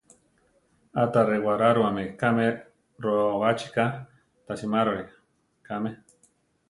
Áta rewaráruame kame reobachi ká, ta simaroni kame.